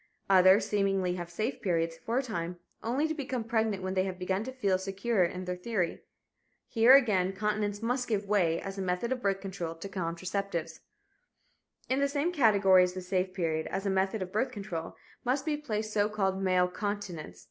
Others seemingly have "safe periods" for a time, only to become pregnant when they have begun to feel secure in their theory. Here again, continence must give way, as a method of birth control, to contraceptives. In the same category as the "safe period," as a method of birth control, must be placed so called "male continence."